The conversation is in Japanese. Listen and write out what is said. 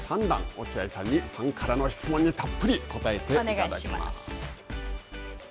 落合さんにファンからの質問にたっぷり答えていただきます。